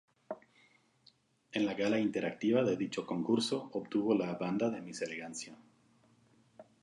En la Gala Interactiva de dicho concurso, obtuvo la banda de "Miss Elegancia".